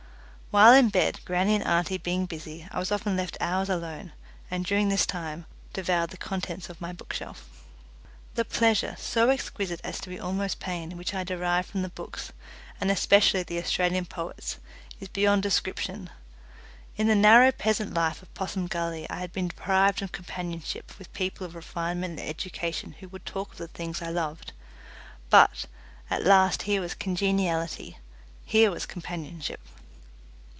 While in bed, grannie and auntie being busy, I was often left hours alone, and during that time devoured the contents of my bookshelf. The pleasure, so exquisite as to be almost pain, which I derived from the books, and especially the Australian poets, is beyond description. In the narrow peasant life of Possum Gully I had been deprived of companionship with people of refinement and education who would talk of the things I loved; but, at last here was congeniality, here was companionship.